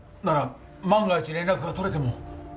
なら万が一連絡が取れても。